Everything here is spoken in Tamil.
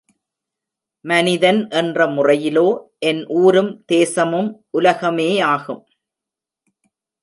மனிதன் என்ற முறையிலோ என் ஊரும் தேசமும் உலகமேயாகும்.